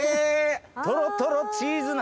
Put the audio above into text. とろとろチーズ梨？